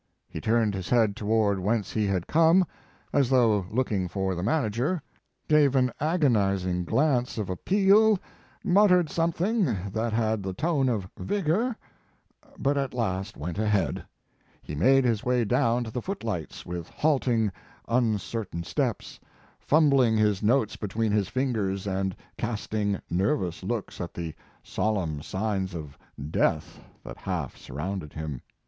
He turned his head to ward whence he had come, as though looking for the manager, gave an agon izing glance of appeal, muttered some thing that had the tone of vigor, but at last went ahead. He made his way down to the footlights with halting, uncertain steps, fumbling his notes between his fingers and casting nervous looks at the solemn signs of death that half sur rounded him.